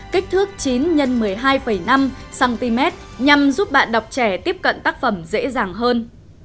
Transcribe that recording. kích thước chín x một mươi hai năm cm nhằm giúp bạn đọc trẻ tiếp cận tác phẩm dễ dàng hơn